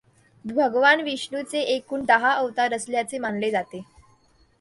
भगवान विष्णूचे एकूण दहा अवतार असल्याचे मानले जाते.